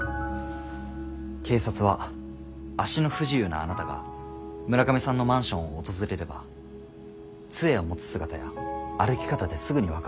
警察は足の不自由なあなたが村上さんのマンションを訪れれば「杖を持つ姿や歩き方ですぐに分かるだろう」と思い